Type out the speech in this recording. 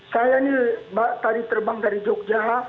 saya ini mbak tadi terbang dari jogja